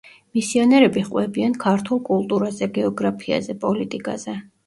მისიონერები ჰყვებიან ქართულ კულტურაზე, გეოგრაფიაზე, პოლიტიკაზე.